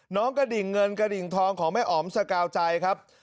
กระดิ่งเงินกระดิ่งทองของแม่อ๋อมสกาวใจครับ